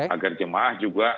agar jemaah juga